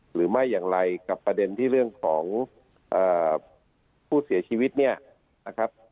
หรือไม่อย่างไรกับประเด็นที่เรื่องของผู้เสียชีวิตเนี่ยนะครับ